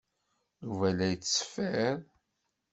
Yuba la yettṣeffir.